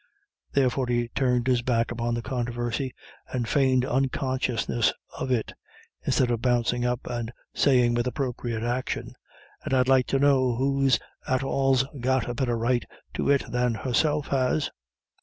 Therefore he turned his back upon the controversy, and feigned unconsciousness of it, instead of bouncing up and saying with appropriate action, "And I'd like to know who at all's got a better right to it than herself has?"